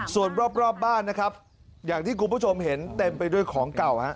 ส่วนรอบบ้านนะครับอย่างที่คุณผู้ชมเห็นเต็มไปด้วยของเก่าฮะ